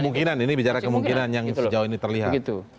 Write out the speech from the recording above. kemungkinan ini bicara kemungkinan yang sejauh ini terlihat